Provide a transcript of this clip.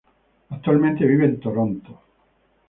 Actualmente vive en Toronto.